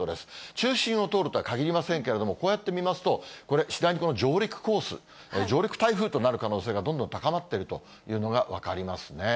中心を通るとはかぎりませんけれども、こうやって見ますと、これ、次第に上陸コース、上陸台風となる可能性がどんどん高まっているというのが分かりますね。